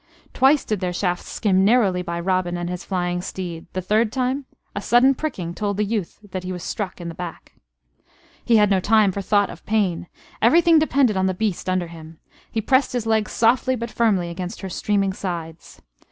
Twice did their shafts skim narrowly by Robin and his flying steed; the third time a sudden pricking told the youth that he was struck in the back. He had no time for thought of pain. Everything depended on the beast under him. He pressed his legs softly but firmly against her streaming sides.